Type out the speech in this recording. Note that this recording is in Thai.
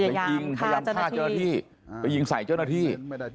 ไปยิงพยายามฆ่าเจ้าหน้าที่ไปยิงใส่เจ้าหน้าที่